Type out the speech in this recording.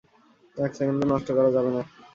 এক সেকেন্ডও নষ্ট করা যাবে না।